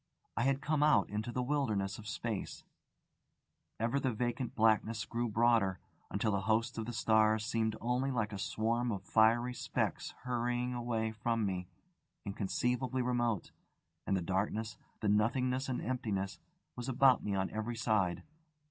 I had come out into the wilderness of space. Ever the vacant blackness grew broader, until the hosts of the stars seemed only like a swarm of fiery specks hurrying away from me, inconceivably remote, and the darkness, the nothingness and emptiness, was about me on every side.